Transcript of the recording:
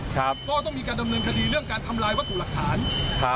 ก็ต้องมีการดำเนินคดีเรื่องการทำลายวัตถุหลักฐานครับ